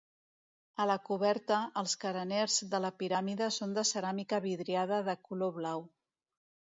A la coberta, els careners de la piràmide són de ceràmica vidriada de color blau.